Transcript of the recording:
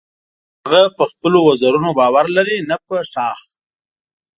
هغه په خپلو وزرونو باور لري نه په شاخ.